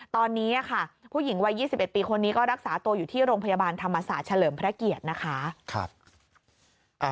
ตอนนี้ค่ะผู้หญิงวัย๒๑ปีคนนี้ก็รักษาตัวอยู่ที่โรงพยาบาลธรรมศาสตร์เฉลิมพระเกียรตินะคะ